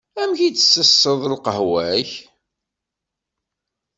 Amek i tsesseḍ lqahwa-k?